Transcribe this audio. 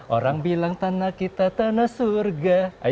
orang bilang tanah kita tanah surga